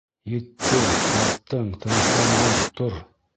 Етте, яттың, тынысландың, тор!